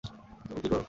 তুমি কি করো--?